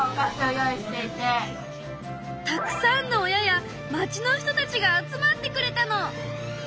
たくさんの親や町の人たちが集まってくれたの。